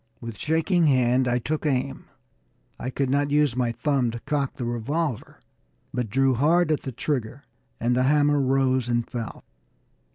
With shaking hand I took aim; I could not use my thumb to cock the revolver, but drew hard at the trigger, and the hammer rose and fell.